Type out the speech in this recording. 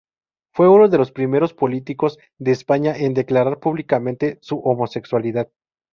Fue uno de los primeros políticos de España en declarar públicamente su homosexualidad.